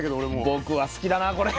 僕は好きだなこれ。